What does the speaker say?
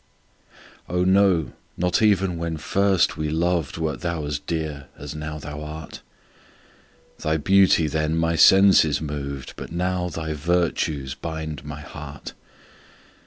Oh, no not even when first we loved, Wert thou as dear as now thou art; Thy beauty then my senses moved, But now thy virtues bind my heart.